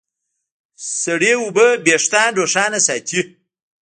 سړې اوبه وېښتيان روښانه ساتي.